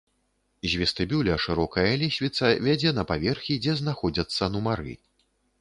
З вестыбюля шырокая лесвіца вядзе на паверхі, дзе знаходзяцца нумары.